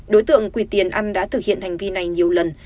đối tượng quỳ tiền ăn đã thực hiện hành vi này nhiều lần